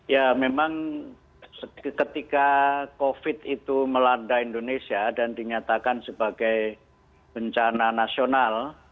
ya memang ketika covid itu melanda indonesia dan dinyatakan sebagai bencana nasional